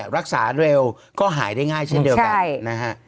รักษาเร็วก็หายได้ง่ายเช่นเดียวกันนะฮะ